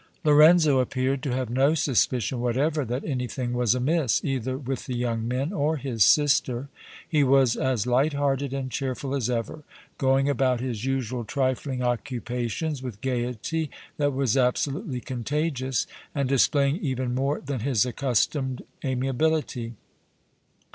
Lorenzo appeared to have no suspicion whatever that anything was amiss either with the young men or his sister. He was as light hearted and cheerful as ever, going about his usual trifling occupations with gayety that was absolutely contagious, and displaying even more than his accustomed amiability.